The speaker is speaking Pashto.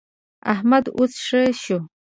احمد اوس ښه شو.